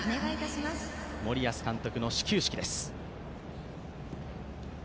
森保監督の始球式です。